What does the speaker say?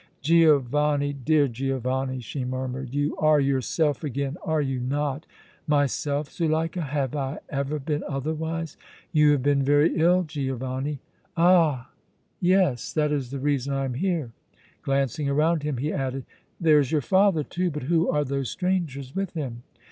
"Giovanni, dear Giovanni," she murmured, "you are yourself again, are you not?" "Myself, Zuleika? Have I ever been otherwise?" "You have been very ill, Giovanni." "Ah! yes. That is the reason I am here." Glancing around him he added: "There is your father, too, but who are those strangers with him?"